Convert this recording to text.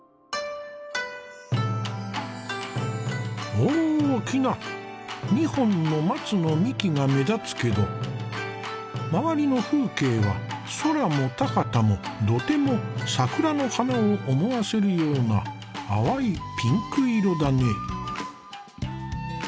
大きな２本の松の幹が目立つけど周りの風景は空も田畑も土手も桜の花を思わせるような淡いピンク色だね。